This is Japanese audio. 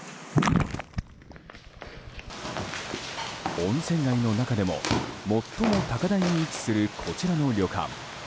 温泉街の中でも最も高台に位置するこちらの旅館。